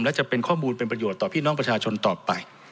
และจะเป็นข้อมูลเป็นประโยชน์ต่อพี่น้องประชาชนต่อไป